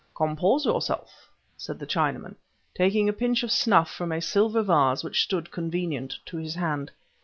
"Compose yourself," said the Chinaman, taking a pinch of snuff from a silver vase which stood convenient to his hand.